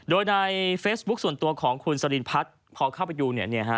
โดยในเฟซบุ๊คส่วนตัวของคุณสรินพัฒน์พอเข้าไปดูเนี่ยฮะ